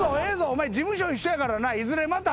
お前事務所一緒やからないずれまた会うわ。